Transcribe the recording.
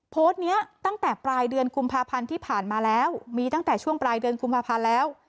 โพสต์นี้ตั้งแต่ปลายเดือนกุมภาพันธ์ที่ผ่านมาแล้วมีตั้งแต่ช่วงปลายเดือนกุมภาพันธ์แล้ว